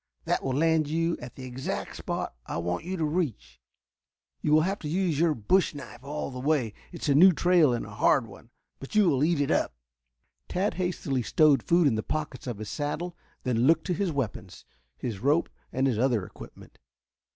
That will land you at the exact spot I want you to reach. You will have to use your bush knife all the way. It's a new trail and a hard one, but you will eat it up." Tad hastily stowed food in the pockets of his saddle, then looked to his weapons, his rope and his other equipment.